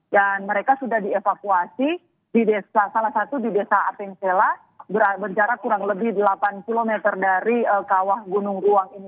dan mereka sudah dievakuasi di desa salah satu di desa atengsela berjarak kurang lebih delapan km dari kawah gunung ruang